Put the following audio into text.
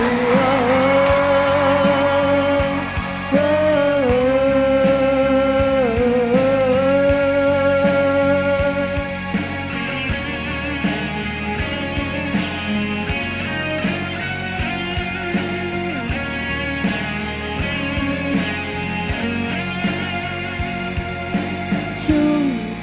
และเป็นทั้งทุกคนรักที่ก็ได้จงรอล่อย